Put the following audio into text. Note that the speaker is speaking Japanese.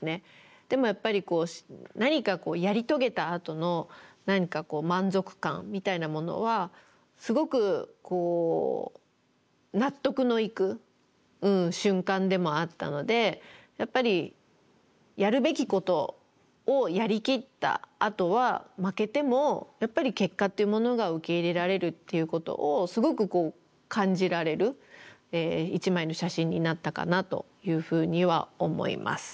でもやっぱり何かやり遂げたあとの満足感みたいなものはすごく納得のいく瞬間でもあったのでやっぱりやるべきことをやりきったあとは負けてもやっぱり結果っていうものが受け入れられるっていうことをすごく感じられる１枚の写真になったかなというふうには思います。